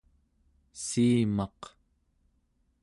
siimaq